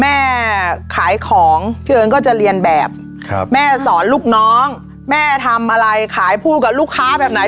แม่ขายของพี่เอิญก็จะเรียนแบบแม่สอนลูกน้องแม่ทำอะไรขายพูดกับลูกค้าแบบไหน